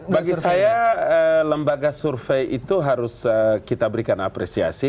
bagi saya lembaga survei itu harus kita berikan apresiasi